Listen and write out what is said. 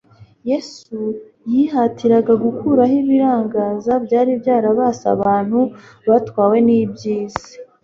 Yesu yihatiraga gukuraho ibirangaza byari byarabase abantu batwawe n'iby'isi.